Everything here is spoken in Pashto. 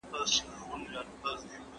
که زده کړه بې کیفیته وي نو وخت ضایع کیږي.